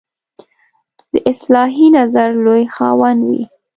د اصلاحي نظر لوی خاوند وي.